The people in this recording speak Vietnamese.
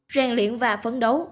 rèn luyện và phấn đấu